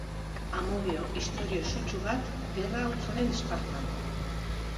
Amodio-istorio sutsu bat, Gerra Hotzaren esparruan.